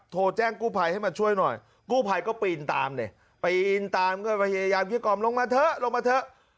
โทรแจ้งกู้ภัยให้มาช่วยหน่อยกู้ภัยก็ปีนตามปีนตามก็พยายามคิดกรอบลงมาเถอะ